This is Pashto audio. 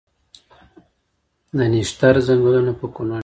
د نښتر ځنګلونه په کنړ کې دي؟